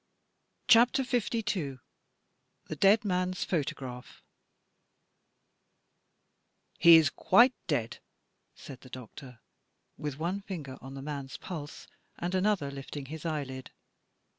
CHAPTER LII THE DEAD MAN'S PHOTOGRAPH "HE is quite dead," said the doctor, with one finger on the man's pulse and another lifting his eyelid.